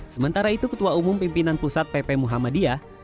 sementara itu ketua umum pimpinan pusat pp muhammadiyah